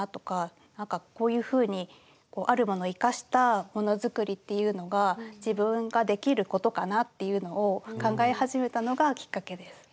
なんかこういうふうにあるものを生かしたものづくりっていうのが自分ができることかなっていうのを考え始めたのがきっかけです。